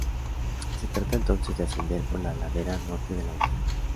Se trata entonces de ascender por la ladera norte de la montaña.